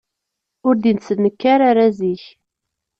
Ur d-yettenkar ara zik.